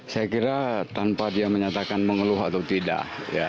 saya kira tanpa dia menyatakan mengeluh atau tidak